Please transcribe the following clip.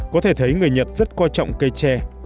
có thể thấy người nhật rất coi trọng cây tre